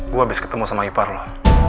gue abis ketemu sama ipar lah